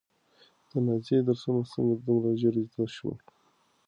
د نازيې درسونه څنګه دومره ژر زده شول؟